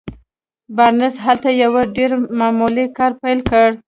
بارنس هلته يو ډېر معمولي کار پيل کړ.